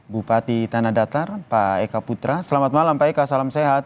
bupati tanah datar pak eka putra selamat malam pak eka salam sehat